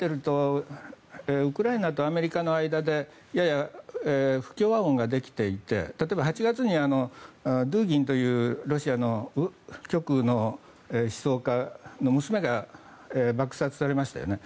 今、見ているとウクライナとアメリカの間でやや不協和音ができていて例えば、８月にドゥーギンというロシアの極右の思想家の娘が爆殺されましたよね。